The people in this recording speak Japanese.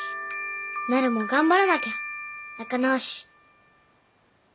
なるも頑張らなきゃ仲直し。